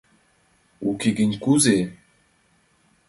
Уке гын кузе?